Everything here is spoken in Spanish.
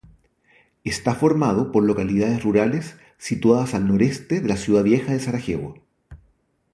Está formado por localidades rurales situadas al noreste de la ciudad vieja de Sarajevo.